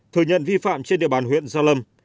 thừa nhận vi phạm trên địa bàn huyện gia lâm